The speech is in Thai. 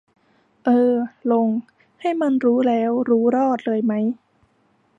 เออ ลง ให้มันรู้แล้วรู้รอดเลยมั้ย